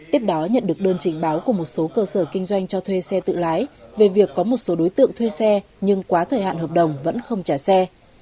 tiếp đó nhận được đơn trình báo của một số cơ sở kinh doanh cho thuê xe tự lái về việc có một số đối tượng thuê xe nhưng quá thời hạn hợp đồng vẫn không trả xe